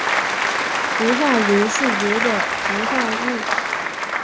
氟化铷是铷的氟化物。